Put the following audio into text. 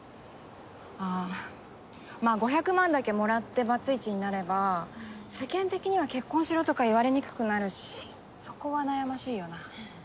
あまあ５００万だけもらってバツイチになれば世間的には結婚しろとか言われにくくなるしそこは悩ましいよな。